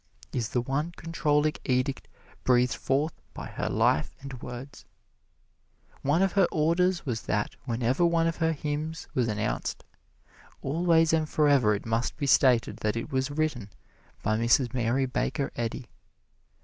is the one controlling edict breathed forth by her life and words. One of her orders was that whenever one of her hymns was announced, always and forever it must be stated that it was written by Mrs. Mary Baker Eddy.